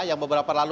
yang beberapa lalu